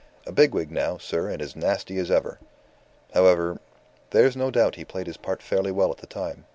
A big wig now, sir, and as nasty as ever. However ... There's no doubt he played his part fairly well at the time.